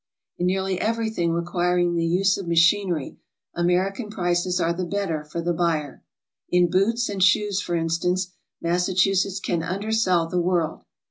In nearly everything requiring the use of machinery, American prices are the better for the buyer. In boots and shoes, for instance, Massachusetts can undersell the world.